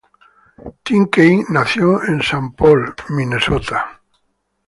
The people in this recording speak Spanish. Tim Kaine nació en Saint Paul, Minnesota.